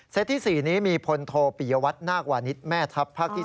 ที่๔นี้มีพลโทปิยวัตนาควานิสแม่ทัพภาคที่๑